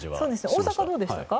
大阪はどうでしたか？